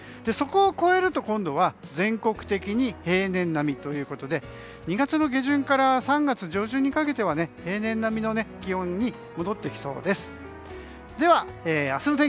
そこを超えると今度は全国的に平年並みということで２月の下旬から３月上旬にかけては平年並みの気温に戻ってきそうです。